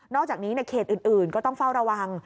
อกจากนี้เขตอื่นก็ต้องเฝ้าระวัง